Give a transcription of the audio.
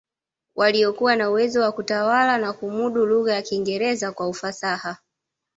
Waliokuwa na uwezo wa kutawala na kumudu lugha ya Kiingereza kwa ufasaha